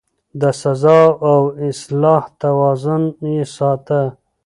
د سزا او اصلاح توازن يې ساته.